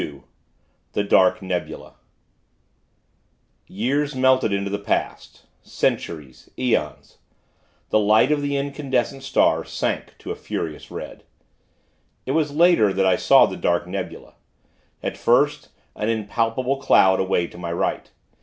XXII THE DARK NEBULA Years melted into the past, centuries, aeons. The light of the incandescent star, sank to a furious red. It was later, that I saw the dark nebula at first, an impalpable cloud, away to my right.